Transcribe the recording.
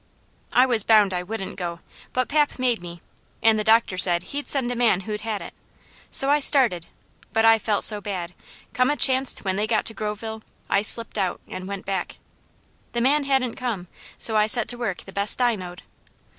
"I was bound I wouldn't go, but pap made me, an' the doctor said he'd send a man who'd had it; so I started, but I felt so bad, come a chanct when they got to Groveville, I slipped out an' went back. The man hadn't come, so I set to work the best I knowed.